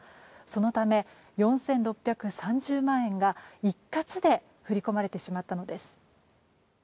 そのため、４６３０万円が一括で振り込まれてしまったのです。